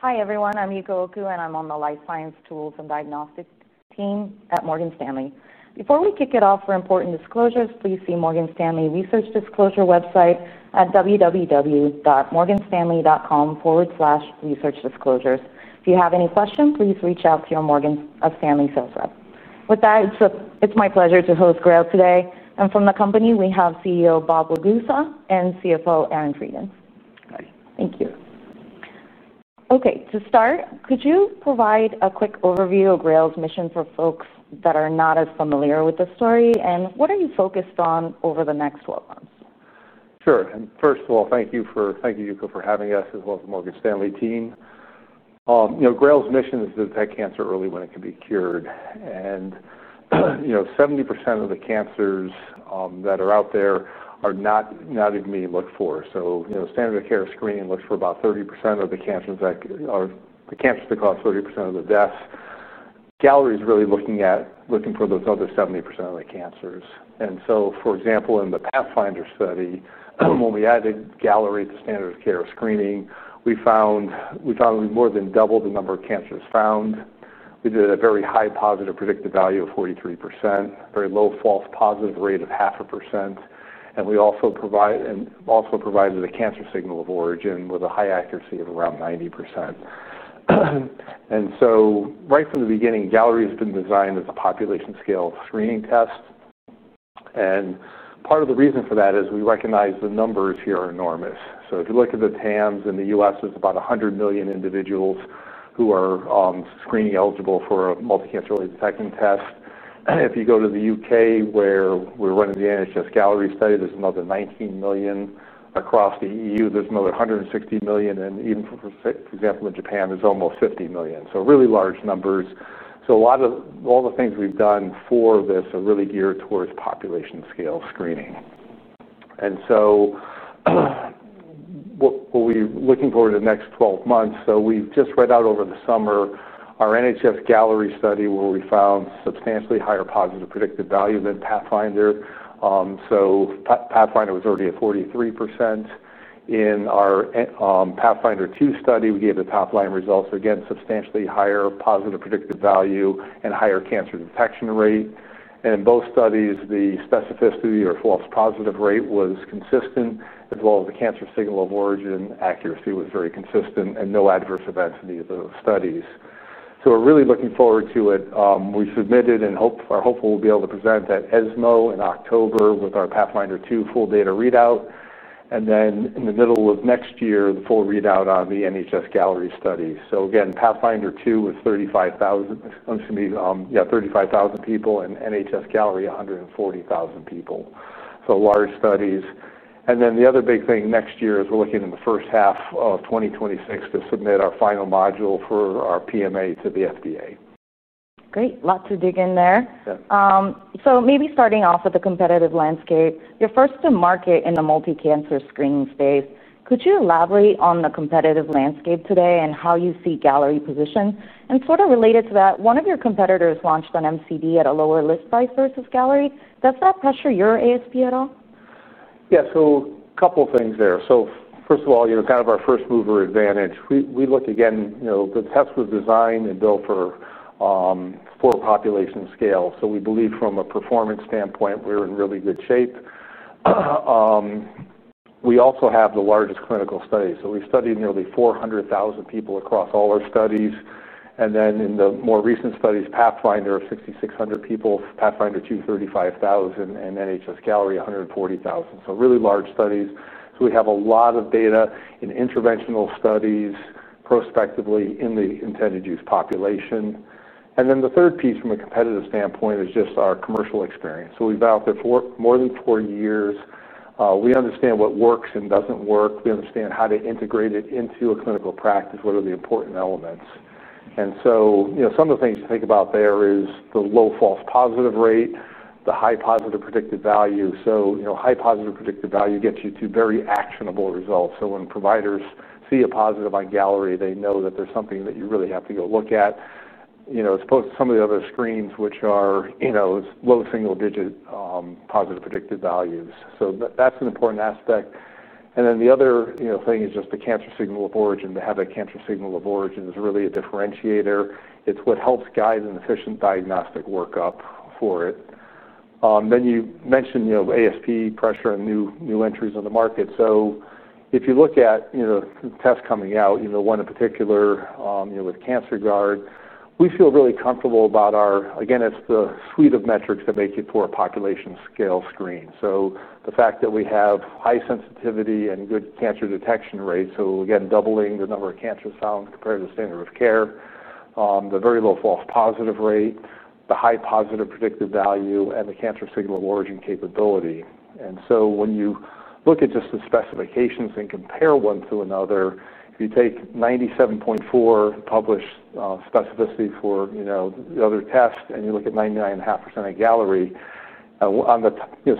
Hi, everyone. I'm Yuko Oko, and I'm on the Life Science Tools and Diagnostics team at Morgan Stanley. Before we kick it off, for important disclosures, please see Morgan Stanley's research disclosure website at www.morganstanley.com/researchdisclosures. If you have any questions, please reach out to your Morgan Stanley sales rep. With that, it's my pleasure to host GRAIL today. From the company, we have CEO Bob Ragusa and CFO Aaron Freidin. Thank you. Okay. To start, could you provide a quick overview of GRAIL's mission for folks that are not as familiar with the story? What are you focused on over the next 12 months? Sure. First of all, thank you, Yuko, for having us as well as the Morgan Stanley team. You know, GRAIL's mission is to detect cancer early when it can be cured. You know, 70% of the cancers that are out there are not even being looked for. Standard of care screening looks for about 30% of the cancers that cause 30% of the deaths. Galleri is really looking for those other 70% of the cancers. For example, in the Pathfinder study, if we added Galleri to standard of care screening, we found we more than doubled the number of cancers found. We had a very high positive predictive value of 43%, a very low false positive rate of 0.5%. We also provided a cancer signal of origin with a high accuracy of around 90%. Right from the beginning, Galleri has been designed as a population scale screening test. Part of the reason for that is we recognize the numbers here are enormous. If you look at the TAMs in the U.S., there's about 100 million individuals who are screening eligible for a multi-cancer early detection test. If you go to the UK, where we're running the NHS-Galleri study, there's another 19 million. Across the EU, there's another 160 million. Even, for example, in Japan, there's almost 50 million. Really large numbers. A lot of the things we've done for this are really geared towards population scale screening. What we're looking forward to in the next 12 months: we've just read out over the summer our NHS-Galleri study, where we found substantially higher positive predictive value than Pathfinder. Pathfinder was already at 43%. In our Pathfinder 2 study, we gave the Pathfinder results again, substantially higher positive predictive value and higher cancer detection rate. In both studies, the specificity or false positive rate was consistent, as well as the cancer signal of origin accuracy was very consistent, and no adverse events in either of those studies. We're really looking forward to it. We submitted and are hopeful we'll be able to present at ESMO in October with our Pathfinder 2 full data readout. In the middle of next year, the full readout on the NHS-Galleri study. Pathfinder 2 was 35,000 people and NHS-Galleri 140,000 people. Large studies. The other big thing next year is we're looking in the first half of 2026 to submit our final module for our PMA to the FDA. Great. Lots to dig in there. Maybe starting off with the competitive landscape, you're first to market in the multi-cancer screening space. Could you elaborate on the competitive landscape today and how you see Galleri positioned? Sort of related to that, one of your competitors launched an MCED at a lower list price versus Galleri. Does that pressure your ASP at all? Yeah. A couple of things there. First of all, you're kind of our first mover advantage. We look again, you know, the test was designed and built for a population scale. We believe from a performance standpoint, we're in really good shape. We also have the largest clinical study. We studied nearly 400,000 people across all our studies. In the more recent studies, Pathfinder of 6,600 people, Pathfinder 2 of 35,000, and NHS-Galleri 140,000. Really large studies. We have a lot of data in interventional studies prospectively in the intended use population. The third piece from a competitive standpoint is just our commercial experience. We've been out there for more than four years. We understand what works and doesn't work. We understand how to integrate it into a clinical practice, what are the important elements. Some of the things to think about there is the low false positive rate, the high positive predictive value. High positive predictive value gets you to very actionable results. When providers see a positive on Galleri, they know that there's something that you really have to go look at, as opposed to some of the other screens, which are low single-digit positive predictive values. That's an important aspect. The other thing is just the cancer signal of origin. To have that cancer signal of origin is really a differentiator. It's what helps guide an efficient diagnostic workup for it. You mentioned ASP pressure and new entries in the market. If you look at the tests coming out, one in particular with CancerGuard, we feel really comfortable about our, again, it's the suite of metrics that make it to our population scale screen. The fact that we have high sensitivity and good cancer detection rates, again, doubling the number of cancers found compared to the standard of care, the very low false positive rate, the high positive predictive value, and the cancer signal of origin capability. When you look at just the specifications and compare one to another, if you take 97.4% published specificity for the other tests and you look at 99.5% at Galleri, on the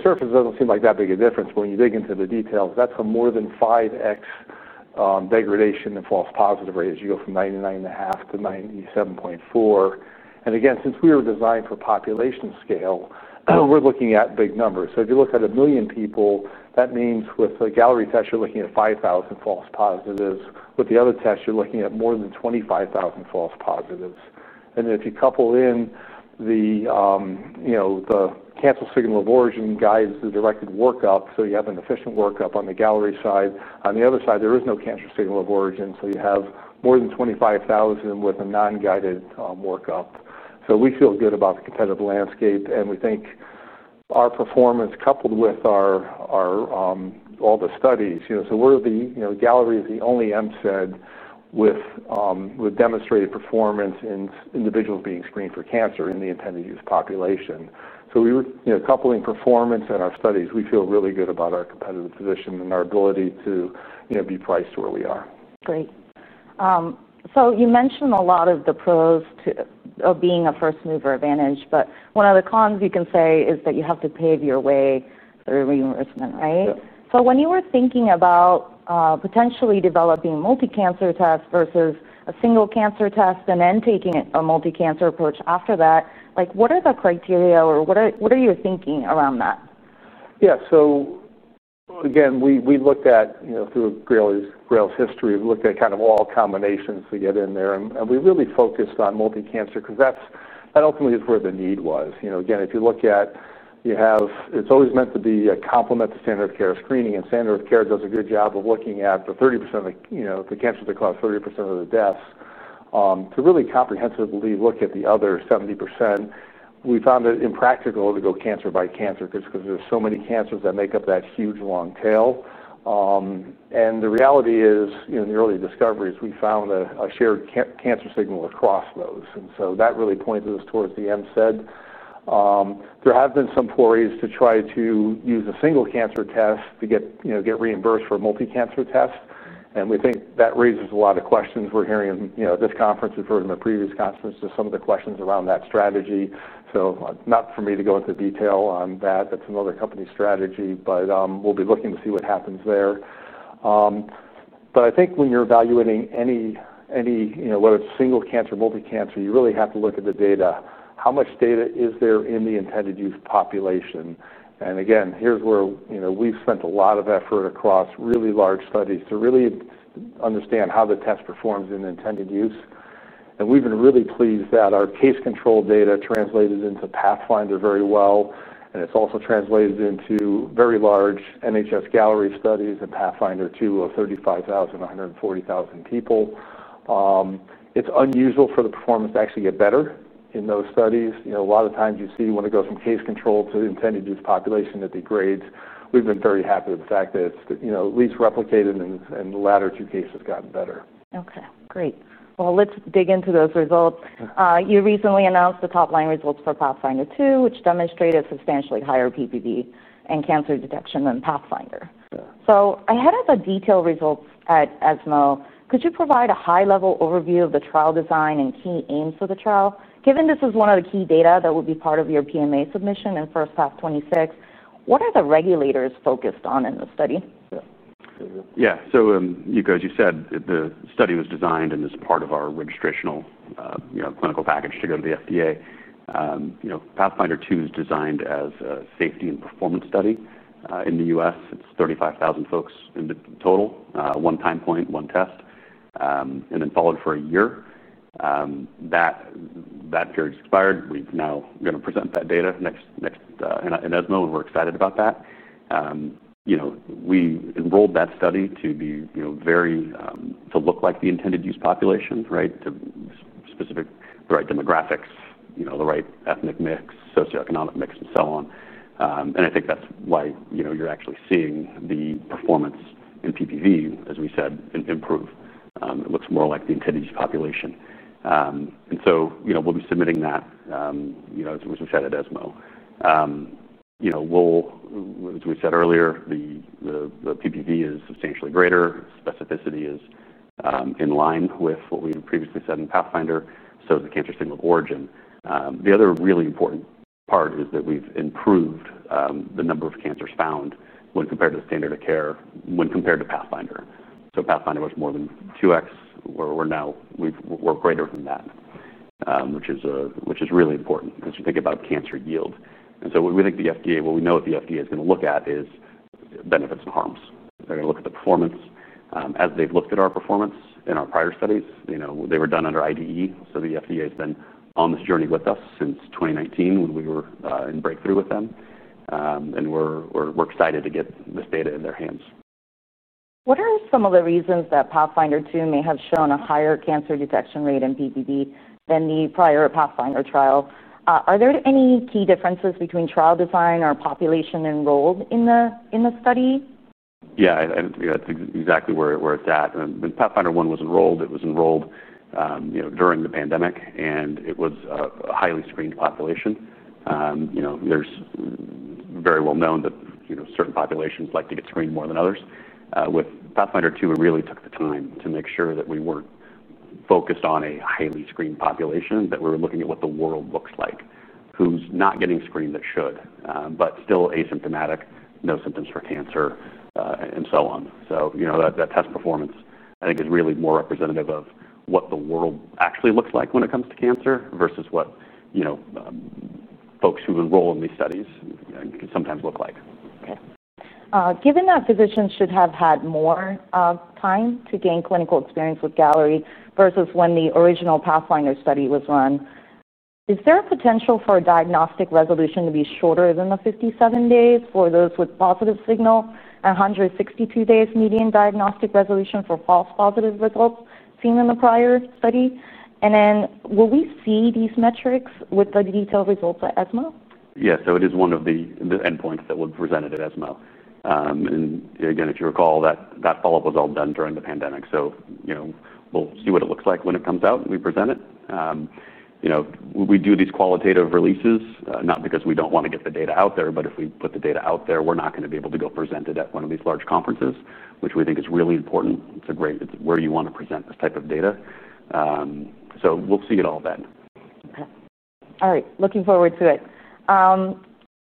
surface, it doesn't seem like that big of a difference. When you dig into the details, that's a more than 5x degradation in false positive rate as you go from 99.5% to 97.4%. Since we were designed for population scale, we're looking at big numbers. If you look at a million people, that means with the Galleri test, you're looking at 5,000 false positives. With the other test, you're looking at more than 25,000 false positives. If you couple in the cancer signal of origin, it guides the directed workup, so you have an efficient workup on the Galleri side. On the other side, there is no cancer signal of origin, so you have more than 25,000 with a non-guided workup. We feel good about the competitive landscape. We think our performance, coupled with all the studies, you know, Galleri is the only MCED with demonstrated performance in individuals being screened for cancer in the intended use population. Coupling performance and our studies, we feel really good about our competitive position and our ability to be priced to where we are. Great. You mentioned a lot of the pros to being a first mover advantage. One of the cons you can say is that you have to pave your way through reimbursement, right? When you were thinking about potentially developing multicancer tests versus a single cancer test and then taking a multicancer approach after that, what are the criteria or what are your thinking around that? Yeah. Again, we looked at, you know, through GRAIL's history, we looked at kind of all combinations we get in there. We really focused on multicancer because that ultimately is where the need was. You know, again, if you look at, you have, it's always meant to be a complement to standard of care screening. Standard of care does a good job of looking at the 30% of the, you know, the cancers that cause 30% of the deaths. To really comprehensively look at the other 70%, we found it impractical to go cancer by cancer because there's so many cancers that make up that huge long tail. The reality is, you know, in the early discoveries, we found a shared cancer signal across those. That really pointed us towards the MCED. There have been some forays to try to use a single cancer test to get, you know, get reimbursed for a multicancer test. We think that raises a lot of questions. We're hearing, you know, at this conference, we've heard in the previous conferences some of the questions around that strategy. Not for me to go into detail on that. That's another company strategy. We'll be looking to see what happens there. I think when you're evaluating any, any, you know, whether it's single cancer, multicancer, you really have to look at the data. How much data is there in the intended use population? Again, here's where, you know, we've spent a lot of effort across really large studies to really understand how the test performs in intended use. We've been really pleased that our case control data translated into Pathfinder very well. It's also translated into very large NHS-Galleri studies and Pathfinder 2 of 35,000, 140,000 people. It's unusual for the performance to actually get better in those studies. A lot of times you see when it goes from case control to intended use population, it degrades. We've been very happy with the fact that it's, you know, at least replicated and the latter two cases have gotten better. Okay. Great. Let's dig into those results. You recently announced the top-line results for Pathfinder 2, which demonstrated substantially higher PPV and cancer detection than Pathfinder. Ahead of the detailed results at ESMO, could you provide a high-level overview of the trial design and key aims for the trial? Given this is one of the key data that will be part of your PMA submission in the first half of 2026, what are the regulators focused on in the study? Yeah. Yeah. So, Yuko, as you said, the study was designed and is part of our registrational, you know, clinical package to go to the FDA. Pathfinder 2 is designed as a safety and performance study in the U.S. It's 35,000 folks in total, one time point, one test, and then followed for a year. That period expired. We're now going to present that data next in ESMO, and we're excited about that. We enrolled that study to be very to look like the intended use population, right, to specific the right demographics, the right ethnic mix, socioeconomic mix, and so on. I think that's why you're actually seeing the performance in PPV, as we said, improve. It looks more like the intended use population. We'll be submitting that, as we said at ESMO. As we said earlier, the PPV is substantially greater. Specificity is in line with what we previously said in Pathfinder. The cancer signal of origin. The other really important part is that we've improved the number of cancers found when compared to the standard of care, when compared to Pathfinder. Pathfinder was more than 2x, where we're now, we're greater than that, which is really important because you think about cancer yield. When we think the FDA, what we know what the FDA is going to look at is benefits to POMs. They're going to look at the performance. As they've looked at our performance in our prior studies, they were done under IDE. The FDA has been on this journey with us since 2019 when we were in breakthrough with them. We're excited to get this data in their hands. What are some of the reasons that Pathfinder 2 may have shown a higher cancer detection rate in PPV than the prior Pathfinder trial? Are there any key differences between trial design or population enrolled in the study? Yeah. Yeah, that's exactly where it's at. When Pathfinder was enrolled, it was enrolled, you know, during the pandemic. It was a highly screened population. There's very well known that certain populations like to get screened more than others. With Pathfinder 2, we really took the time to make sure that we weren't focused on a highly screened population, that we were looking at what the world looks like, who's not getting screened that should, but still asymptomatic, no symptoms for cancer, and so on. That test performance I think is really more representative of what the world actually looks like when it comes to cancer versus what folks who enroll in these studies can sometimes look like. Okay. Given that physicians should have had more time to gain clinical experience with Galleri versus when the original Pathfinder study was run, is there a potential for a diagnostic resolution to be shorter than the 57 days for those with positive signal and 162 days median diagnostic resolution for false positive results seen in the prior study? Will we see these metrics with the detailed results at ESMO? Yeah. It is one of the endpoints that we're presented at ESMO. If you recall, that follow-up was all done during the pandemic. We'll see what it looks like when it comes out and we present it. We do these qualitative releases not because we don't want to get the data out there, but if we put the data out there, we're not going to be able to go present it at one of these large conferences, which we think is really important. It's great, it's where you want to present this type of data. We'll see it all then. All right. Looking forward to it.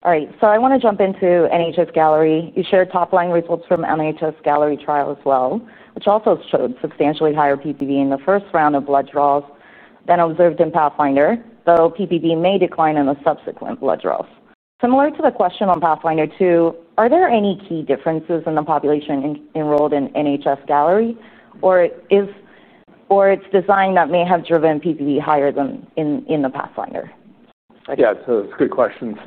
All right. I want to jump into NHS-Galleri. You shared top-line results from the NHS-Galleri trial as well, which also showed substantially higher PPV in the first round of blood draws than observed in Pathfinder, though PPV may decline in the subsequent blood draws. Similar to the question on Pathfinder 2, are there any key differences in the population enrolled in NHS-Galleri or its design that may have driven PPV higher than in Pathfinder? Yeah. That's a good question.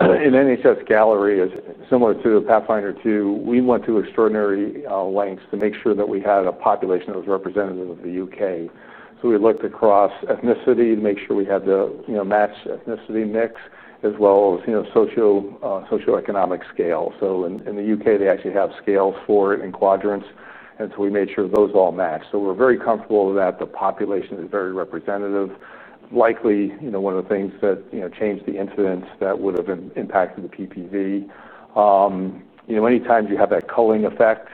In NHS-Galleri, similar to Pathfinder 2, we went to extraordinary lengths to make sure that we had a population that was representative of the UK. We looked across ethnicity to make sure we had the match ethnicity mix as well as socioeconomic scale. In the UK, they actually have scales for it in quadrants, and we made sure those all matched. We're very comfortable with that. The population is very representative. Likely, one of the things that changed the incidence that would have impacted the PPV, many times you have that culling effect.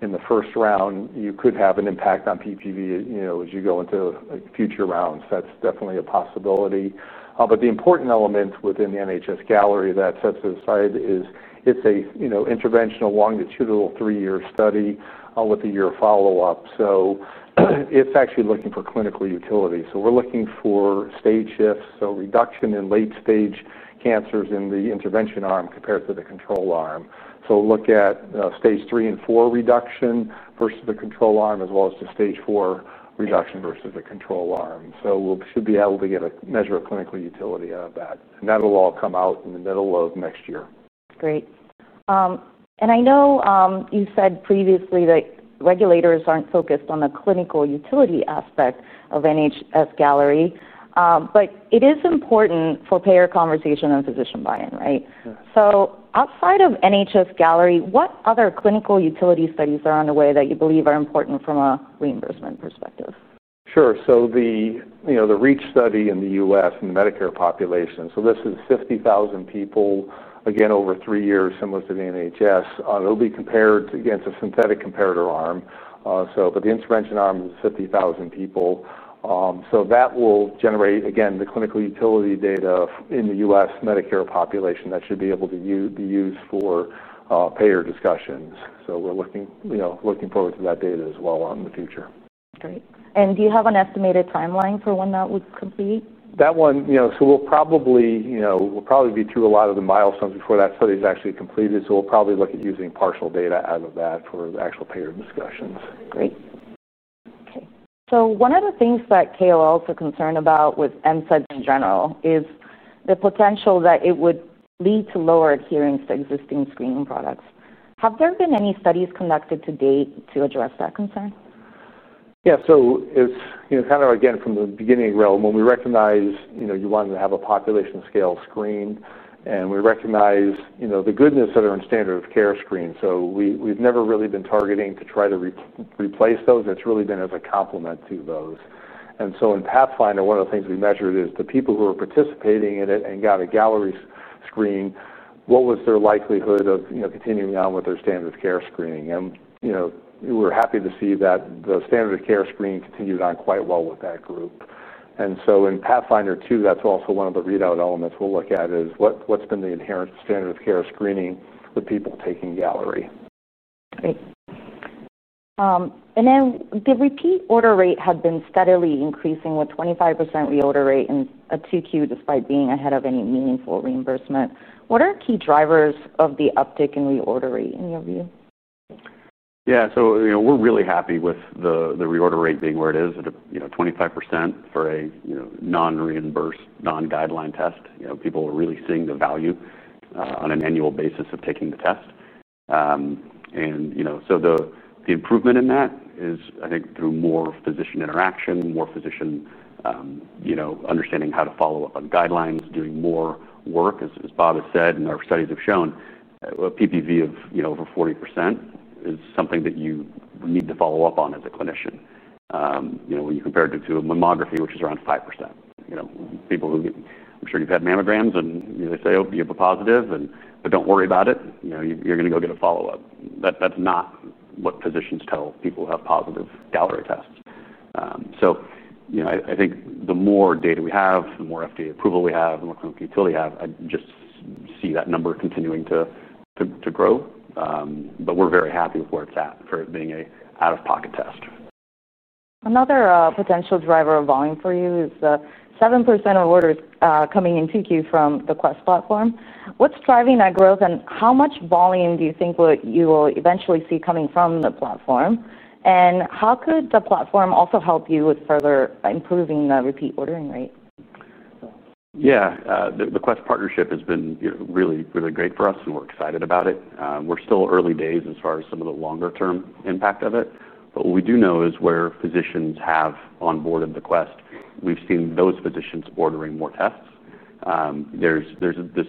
In the first round, you could have an impact on PPV as you go into future rounds. That's definitely a possibility. The important element within the NHS-Galleri that sets it aside is it's an interventional longitudinal three-year study with a year follow-up. It's actually looking for clinical utility. We're looking for stage shifts, so reduction in late-stage cancers in the intervention arm compared to the control arm. We'll look at stage 3 and 4 reduction versus the control arm, as well as just stage 4 reduction versus the control arm. We should be able to get a measure of clinical utility out of that. That'll all come out in the middle of next year. Great. I know you said previously that regulators aren't focused on the clinical utility aspect of NHS-Galleri. It is important for payer conversation and physician buy-in, right? Outside of NHS-Galleri, what other clinical utility studies are on the way that you believe are important from a reimbursement perspective? Sure. The REACH study in the U.S. in the Medicare population is 50,000 people over three years, similar to the NHS. It will be compared against a synthetic comparator arm, but the intervention arm is 50,000 people. That will generate the clinical utility data in the U.S. Medicare population that should be able to be used for payer discussions. We're looking forward to that data as well in the future. Great. Do you have an estimated timeline for when that would complete? We'll probably be through a lot of the milestones before that study is actually completed. We'll probably look at using partial data out of that for actual payer discussions. Great. Okay. One of the things that KOLs are concerned about with MCEDs in general is the potential that it would lead to lower adherence to existing screening products. Have there been any studies conducted to date to address that concern? Yeah. It's kind of, again, from the beginning realm, when we recognized you wanted to have a population scale screened. We recognize the goodness that are in standard of care screens. We've never really been targeting to try to replace those. It's really been as a complement to those. In Pathfinder, one of the things we measured is the people who are participating in it and got a Galleri screen, what was their likelihood of continuing on with their standard of care screening? We're happy to see that the standard of care screening continued on quite well with that group. In Pathfinder 2, that's also one of the readout elements we'll look at, what's been the inherent standard of care screening with people taking Galleri. Great. The repeat order rate had been steadily increasing with a 25% reorder rate in 2Q despite being ahead of any meaningful reimbursement. What are key drivers of the uptick in reorder rate in your view? Yeah. We're really happy with the reorder rate being where it is at 25% for a non-reimbursed, non-guideline test. People are really seeing the value on an annual basis of taking the test. The improvement in that is, I think, through more physician interaction, more physician understanding how to follow up on guidelines, doing more work, as Bob has said, and our studies have shown, a PPV of over 40% is something that you need to follow up on as a clinician. When you compare it to mammography, which is around 5%, people who I'm sure you've had mammograms and they say, oh, you have a positive, but don't worry about it, you're going to go get a follow-up. That's not what physicians tell people who have positive Galleri tests. I think the more data we have, the more FDA approval we have, the more clinical utility we have, I just see that number continuing to grow. We're very happy with where it's at for it being an out-of-pocket test. Another potential driver of volume for you is the 7% of orders coming in 2Q from the Quest Diagnostics platform. What's driving that growth, and how much volume do you think you will eventually see coming from the platform? How could the platform also help you with further improving the repeat ordering rate? Yeah. The Quest partnership has been really, really great for us, and we're excited about it. We're still early days as far as some of the longer-term impact of it. What we do know is where physicians have onboarded the Quest, we've seen those physicians ordering more tests. There's this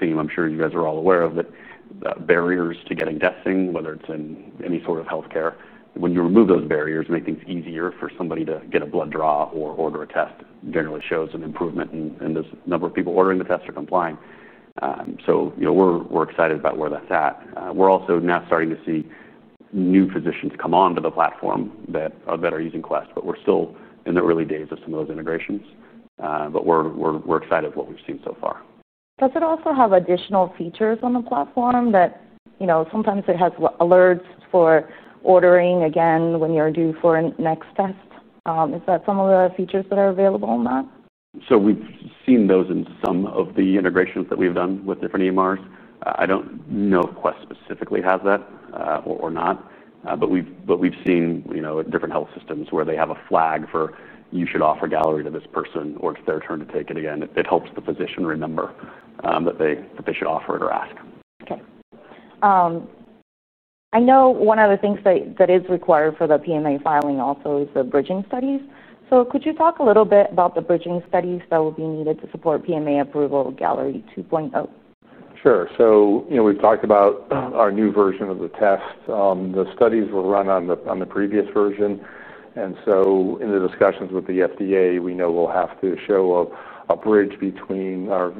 theme I'm sure you guys are all aware of, that barriers to getting testing, whether it's in any sort of health care, when you remove those barriers and make things easier for somebody to get a blood draw or order a test, generally shows an improvement in the number of people ordering the test or complying. We're excited about where that's at. We're also now starting to see new physicians come onto the platform that are using Quest, but we're still in the early days of some of those integrations. We're excited with what we've seen so far. Does it also have additional features on the platform that sometimes it has alerts for ordering again when you're due for a next test? Is that some of the features that are available in that? We have seen those in some of the integrations that we've done with different EMRs. I don't know if Quest Diagnostics specifically has that or not. We have seen, in different health systems, where they have a flag for you should offer Galleri to this person, or it's their turn to take it again. It helps the physician remember that they should offer it or ask. Okay. I know one of the things that is required for the PMA filing also is the bridging studies. Could you talk a little bit about the bridging studies that will be needed to support PMA approval Galleri 2.0? Sure. We've talked about our new version of the test. The studies were run on the previous version. In the discussions with the FDA, we know we'll have to show a bridge between our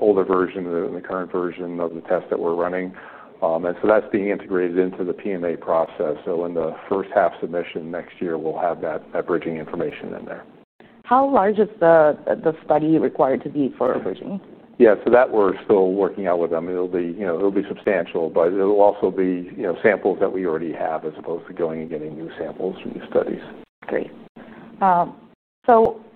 older version and the current version of the test that we're running. That's being integrated into the PMA process. In the first half submission next year, we'll have that bridging information in there. How large is the study required to be for bridging? Yeah, that we're still working out with them. It'll be substantial, but it'll also be samples that we already have as opposed to going and getting new samples for new studies. Great.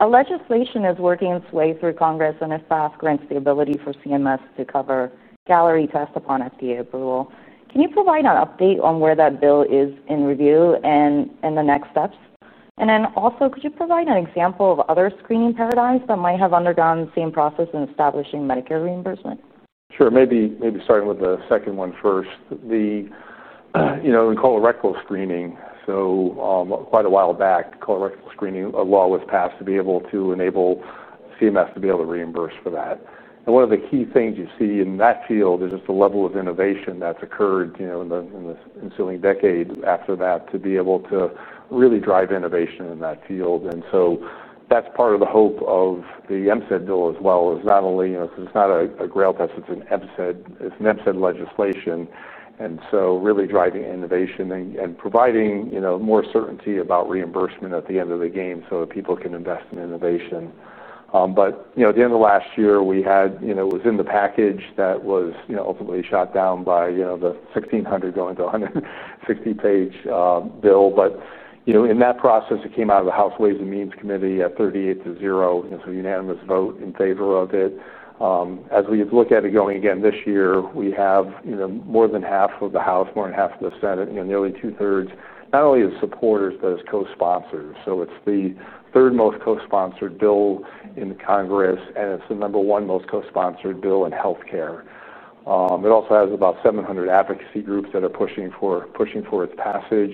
Legislation is working its way through Congress and has passed, granting the ability for CMS to cover Galleri tests upon FDA approval. Can you provide an update on where that bill is in review and the next steps? Also, could you provide an example of other screening paradigms that might have undergone the same process in establishing Medicare reimbursement? Sure. Maybe starting with the second one first. We call it rectal screening. Quite a while back, colorectal screening law was passed to be able to enable CMS to be able to reimburse for that. One of the key things you see in that field is just the level of innovation that's occurred in the ensuing decade after that to be able to really drive innovation in that field. That's part of the hope of the MCED bill as well, not only because it's not a GRAIL test, it's an MCED legislation. Really driving innovation and providing more certainty about reimbursement at the end of the game so that people can invest in innovation. At the end of last year, it was in the package that was ultimately shot down by the 1,600 going to 160-page bill. In that process, it came out of the House Ways and Means Committee at 38 to 0, so unanimous vote in favor of it. As we look at it going again this year, we have more than half of the House, more than half of the Senate, nearly 2/3, not only as supporters, but as co-sponsors. It's the third most co-sponsored bill in Congress, and it's the number one most co-sponsored bill in health care. It also has about 700 advocacy groups that are pushing for its passage.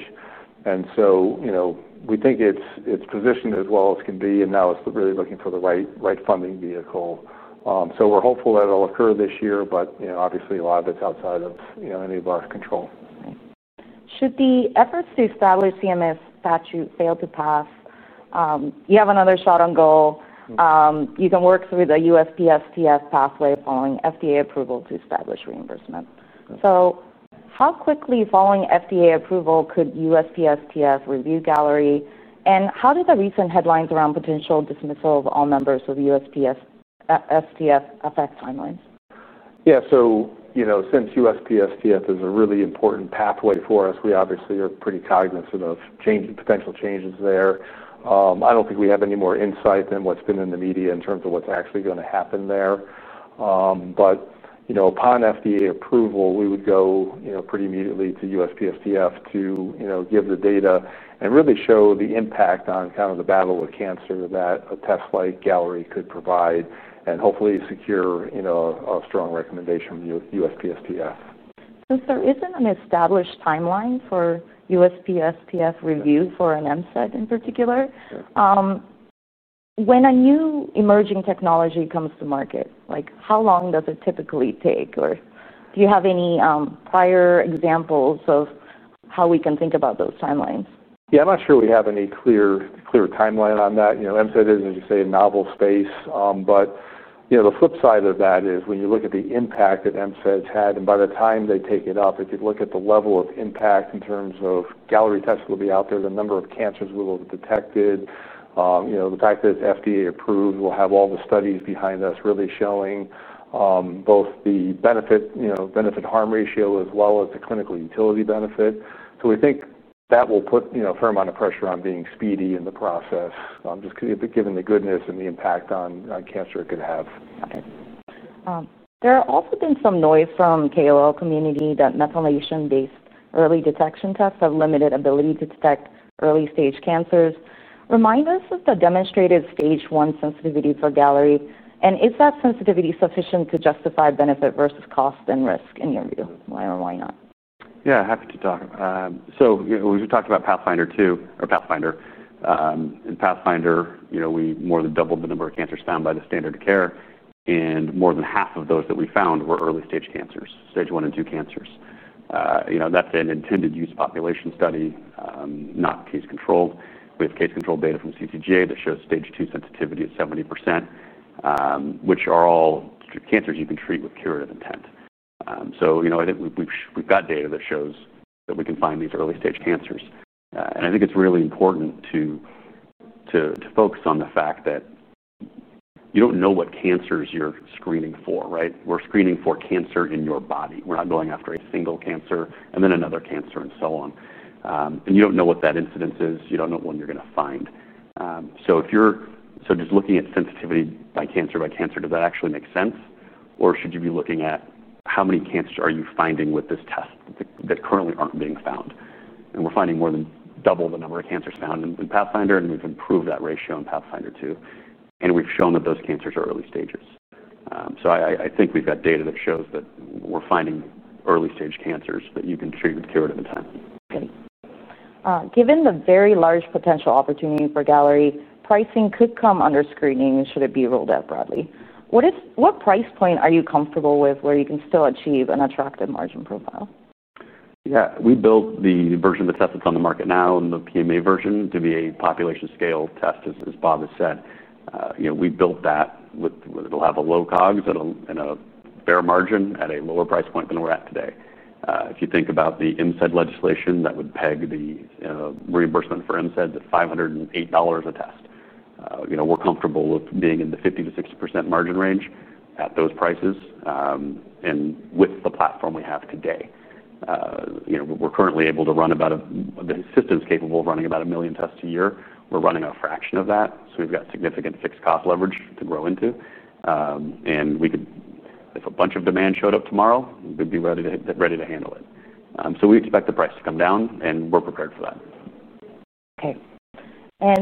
We think it's positioned as well as it can be, and now it's really looking for the right funding vehicle. We're hopeful that it'll occur this year, but obviously, a lot of it's outside of any of us control. Right. Should the efforts to establish CMS statute fail to pass, you have another shot on goal. You can work through the USPSTF pathway following FDA approval to establish reimbursement. How quickly following FDA approval could USPSTF review Galleri? How did the recent headlines around potential dismissal of all members of USPSTF affect timelines? Yeah. Since USPSTF is a really important pathway for us, we obviously are pretty cognizant of potential changes there. I don't think we have any more insight than what's been in the media in terms of what's actually going to happen there. Upon FDA approval, we would go pretty immediately to USPSTF to give the data and really show the impact on the battle with cancer that a test like Galleri could provide and hopefully secure a strong recommendation from USPSTF. isn't an established timeline for U.S. Preventive Services Task Force review for an MCED in particular. When a new emerging technology comes to market, like, how long does it typically take? Do you have any prior examples of how we can think about those timelines? Yeah. I'm not sure we have any clear timeline on that. You know, MCED is, as you say, a novel space. The flip side of that is when you look at the impact that MCED's had, and by the time they take it up, if you look at the level of impact in terms of Galleri tests that will be out there, the number of cancers we will have detected, the fact that it's FDA approved, we'll have all the studies behind us really showing both the benefit, benefit-harm ratio as well as the clinical utility benefit. We think that will put a fair amount of pressure on being speedy in the process, just given the goodness and the impact on cancer it could have. Got it. There have also been some noise from the KOL community that methylation-based early detection tests have limited ability to detect early-stage cancers. Remind us of the demonstrated stage 1 sensitivity for Galleri. Is that sensitivity sufficient to justify benefit versus cost and risk in your view? Why or why not? Yeah. Happy to talk. We talked about Pathfinder 2 or Pathfinder. In Pathfinder, we more than doubled the number of cancers found by the standard of care, and more than half of those that we found were early-stage cancers, stage 1 and 2 cancers. That's an intended use population study, not case controlled. We have case control data from CTGA that shows stage 2 sensitivity at 70%, which are all cancers you can treat with curative intent. I think we've got data that shows that we can find these early-stage cancers. I think it's really important to focus on the fact that you don't know what cancers you're screening for, right? We're screening for cancer in your body. We're not going after a single cancer and then another cancer and so on. You don't know what that incidence is. You don't know when you're going to find. If you're just looking at sensitivity by cancer by cancer, does that actually make sense? Should you be looking at how many cancers are you finding with this test that currently aren't being found? We're finding more than double the number of cancers found in Pathfinder, and we've improved that ratio in Pathfinder 2. We've shown that those cancers are early stages. I think we've got data that shows that we're finding early-stage cancers that you can treat with curative intent. Great. Given the very large potential opportunity for Galleri, pricing could come under screening should it be rolled out broadly. What price point are you comfortable with where you can still achieve an attractive margin profile? Yeah. We built the version that's out on the market now and the PMA version to be a population scale test, as Bob has said. You know, we built that with it'll have a low COGS and a bare margin at a lower price point than we're at today. If you think about the MCED legislation that would peg the reimbursement for MCEDs at $508 a test, you know, we're comfortable with being in the 50% to 60% margin range at those prices. With the platform we have today, we're currently able to run about a system that's capable of running about a million tests a year. We're running a fraction of that. We've got significant fixed cost leverage to grow into. If a bunch of demand showed up tomorrow, we'd be ready to handle it. We expect the price to come down, and we're prepared for that. Okay.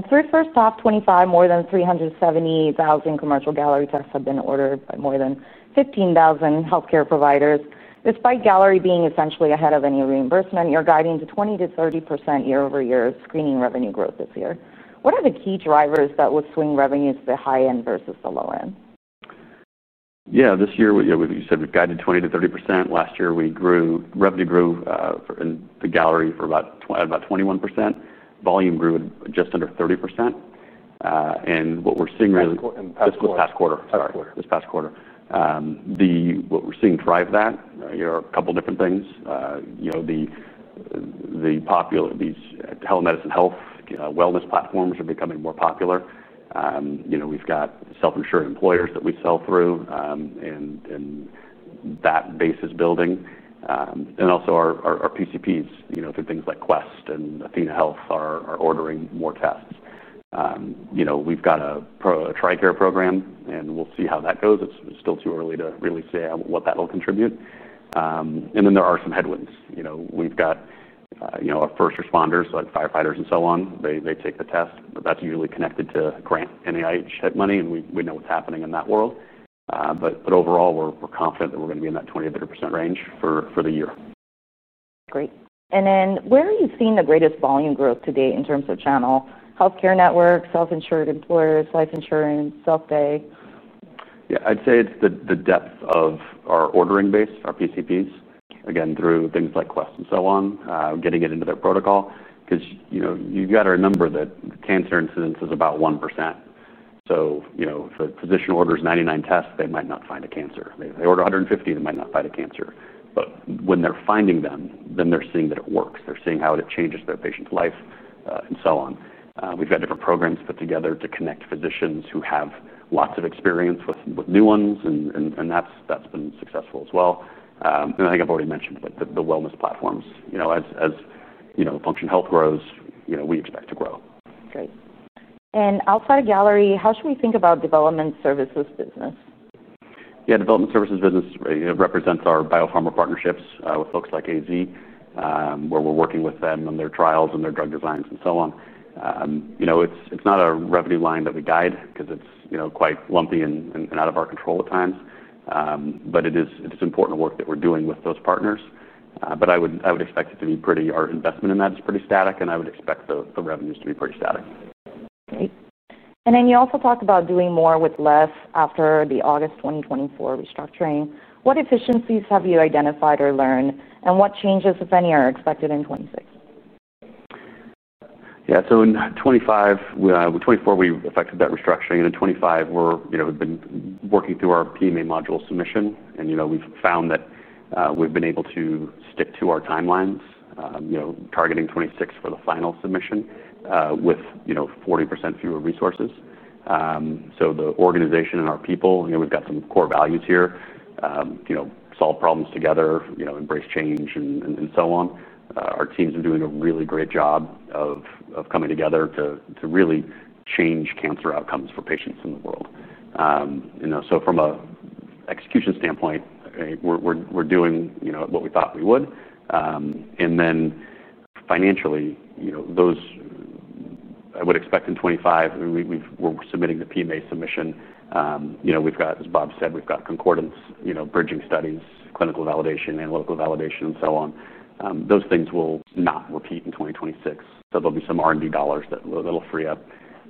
Through the first half of 2025, more than 370,000 commercial Galleri tests have been ordered by more than 15,000 health care providers. Despite Galleri being essentially ahead of any reimbursement, you're guiding to 20% to 30% year-over-year screening revenue growth this year. What are the key drivers that would swing revenues to the high end versus the low end? Yeah. This year, yeah, we said we've guided 20% to 30%. Last year, we grew revenue in the Galleri at about 21%. Volume grew just under 30%. What we're seeing really important this past quarter, what we're seeing drive that, there are a couple of different things. These telemedicine health wellness platforms are becoming more popular. We've got self-insured employers that we sell through and that base is building. Also, our PCPs, through things like Quest Diagnostics and Athena Health, are ordering more tests. We've got a Tricare program, and we'll see how that goes. It's still too early to really say what that will contribute. There are some headwinds. We've got our first responders, like firefighters and so on. They take the test, but that's usually connected to grant NIH head money. We know what's happening in that world. Overall, we're confident that we're going to be in that 20% to 30% range for the year. Great. Where are you seeing the greatest volume growth to date in terms of channel? Health care networks, self-insured employers, life insurance, self-pay? Yeah. I'd say it's the depth of our ordering base, our PCPs, again, through things like Quest Diagnostics and so on, getting it into their protocol. You know, you've got to remember that the cancer incidence is about 1%. If a physician orders 99 tests, they might not find a cancer. They order 150, they might not find a cancer. When they're finding them, they're seeing that it works. They're seeing how it changes their patient's life and so on. We've got different programs put together to connect physicians who have lots of experience with new ones. That's been successful as well. I think I've already mentioned it, the wellness platforms. As functional health grows, we expect to grow. Great. Outside of Galleri, how should we think about development services business? Yeah. Development services business represents our biopharma partnerships with folks like AZ, where we're working with them on their trials and their drug designs and so on. It's not a revenue line that we guide because it's quite lumpy and out of our control at times. It is important work that we're doing with those partners. I would expect it to be pretty, our investment in that is pretty static, and I would expect the revenues to be pretty static. Great. You also talked about doing more with less after the August 2024 restructuring. What efficiencies have you identified or learned? What changes, if any, are expected in 2026? Yeah. In 2025, with 2024, we've effected that restructuring. In 2025, we've been working through our PMA module submission. We've found that we've been able to stick to our timelines, targeting 2026 for the final submission with 40% fewer resources. The organization and our people, we've got some core values here: solve problems together, embrace change, and so on. Our teams are doing a really great job of coming together to really change cancer outcomes for patients in the world. From an execution standpoint, we're doing what we thought we would. Financially, I would expect in 2025, we're submitting the PMA submission. As Bob said, we've got concordance, bridging studies, clinical validation, analytical validation, and so on. Those things will not repeat in 2026. There'll be some R&D dollars that'll free up.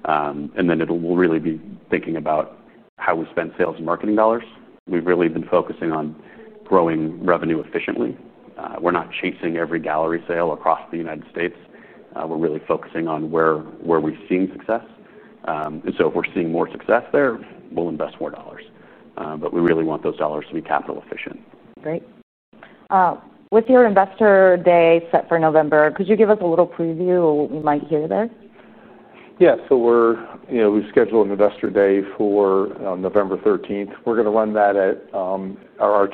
We'll really be thinking about how we spend sales and marketing dollars. We've really been focusing on growing revenue efficiently. We're not chasing every Galleri sale across the United States. We're really focusing on where we've seen success. If we're seeing more success there, we'll invest more dollars. We really want those dollars to be capital efficient. Great. With your investor day set for November, could you give us a little preview of what we might hear there? Yeah. We're, you know, we've scheduled an investor day for November 13th. We're going to run that at our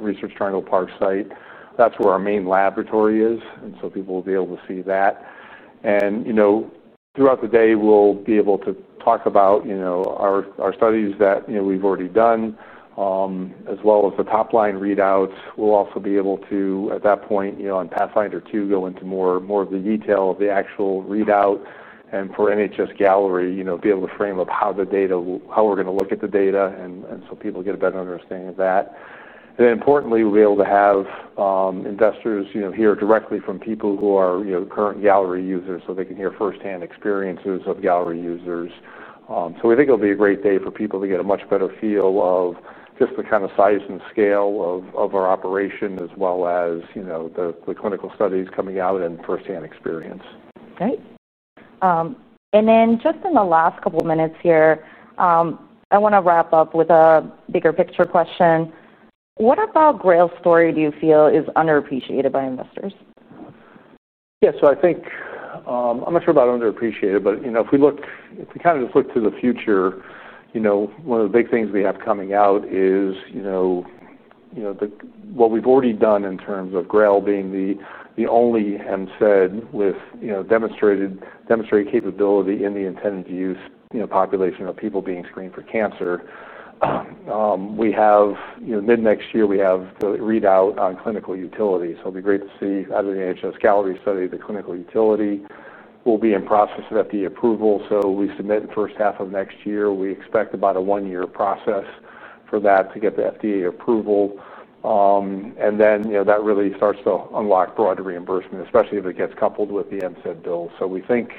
Research Triangle Park site. That's where our main laboratory is, so people will be able to see that. Throughout the day, we'll be able to talk about our studies that we've already done, as well as the top-line readouts. We'll also be able to, at that point, on Pathfinder 2, go into more of the detail of the actual readout. For NHS-Galleri, you know, be able to frame up how the data, how we're going to look at the data, so people get a better understanding of that. Importantly, we'll be able to have investors hear directly from people who are current Galleri users so they can hear firsthand experiences of Galleri users. We think it'll be a great day for people to get a much better feel of just the kind of size and scale of our operation, as well as the clinical studies coming out and firsthand experience. Great. In the last couple of minutes here, I want to wrap up with a bigger picture question. What about GRAIL's story do you feel is underappreciated by investors? Yeah. I think I'm not sure about underappreciated, but if we look, if we kind of just look to the future, one of the big things we have coming out is what we've already done in terms of GRAIL being the only MCED with demonstrated capability in the intended use population of people being screened for cancer. We have mid-next year, we have the readout on clinical utility. It'll be great to see out of the NHS-Galleri trial the clinical utility. We'll be in process of FDA approval. We submit the first half of next year. We expect about a one-year process for that to get the FDA approval. That really starts to unlock broader reimbursement, especially if it gets coupled with the MCED bill. We think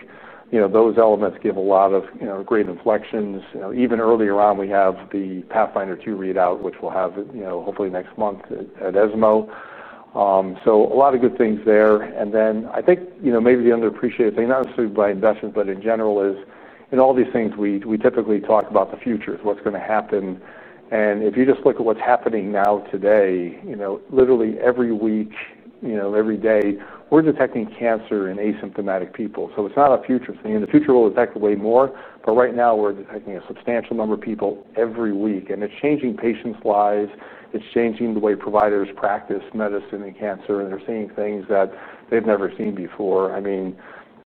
those elements give a lot of great inflections. Even earlier on, we have the Pathfinder 2 readout, which we'll have hopefully next month at ESMO. A lot of good things there. I think maybe the underappreciated thing, not necessarily by investors, but in general, is in all these things, we typically talk about the future, what's going to happen. If you just look at what's happening now today, literally every week, every day, we're detecting cancer in asymptomatic people. It's not a future thing. In the future, we'll detect way more. Right now, we're detecting a substantial number of people every week. It's changing patients' lives. It's changing the way providers practice medicine and cancer. They're seeing things that they've never seen before. I mean,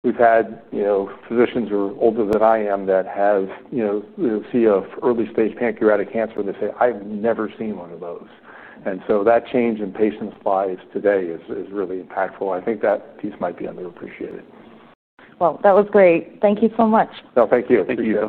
we've had physicians who are older than I am that have, they'll see an early-stage pancreatic cancer, and they say, "I've never seen one of those." That change in patients' lives today is really impactful. I think that piece might be underappreciated. That was great. Thank you so much. No, thank you. Thank you.